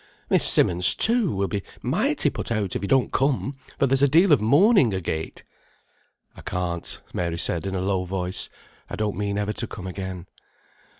Miss Simmonds, too, will be mighty put out if you don't come, for there's a deal of mourning, agait." "I can't," Mary said, in a low voice. "I don't mean ever to come again."